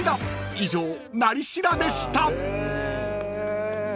［以上「なり調」でした］